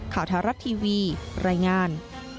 ข่าวทารักษ์ทีวีรายงาน